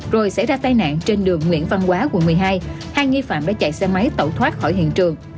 rồi xảy ra tai nạn trên đường nguyễn văn quá quận một mươi hai hai nghi phạm đã chạy xe máy tẩu thoát khỏi hiện trường